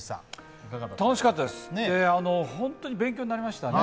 楽しかったです、本当に勉強になりましたね。